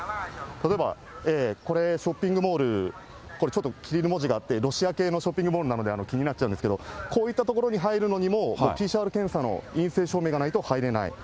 例えば、これ、ショッピングモール、これ、ちょっとロシア系のショッピングモールなので気になっちゃうんですけど、こういった所に入るのにも、ＰＣＲ検査の陰性証明がないと入れない。